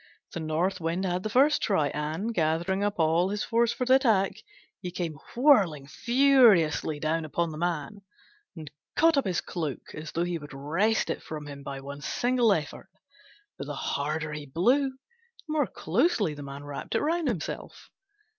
The North Wind had the first try; and, gathering up all his force for the attack, he came whirling furiously down upon the man, and caught up his cloak as though he would wrest it from him by one single effort: but the harder he blew, the more closely the man wrapped it round himself.